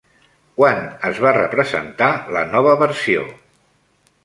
Quan es va representar la nova versió?